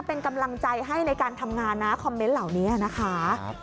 เป็นกำลังใจให้ในการทำงานนะคอมเมนต์เหล่านี้นะคะ